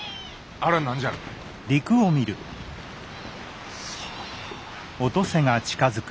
あれは何じゃろう？さあ。